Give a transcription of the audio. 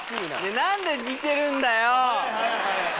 何で似てるんだよ！